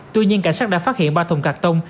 tuy nhiên cảnh sát đã phát hiện ba thùng cắt tông